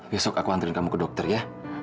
besok aku antrian kamu ke dokter ya